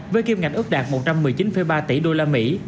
với kim ngạch ước đạt một trăm một mươi chín ba tỷ đô la mỹ